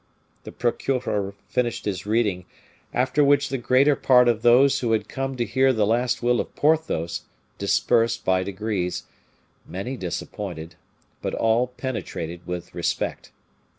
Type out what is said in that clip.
The procureur finished his reading, after which the greater part of those who had come to hear the last will of Porthos dispersed by degrees, many disappointed, but all penetrated with respect.